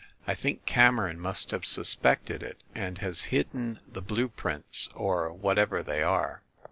I think Cameron must have suspected it, and has hidden the blue prints or whatever they are.